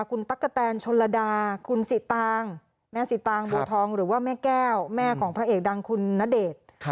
คุณตั๊กกะแตนชนระดาคุณสิตางแม่สิตางบัวทองหรือว่าแม่แก้วแม่ของพระเอกดังคุณณเดชน์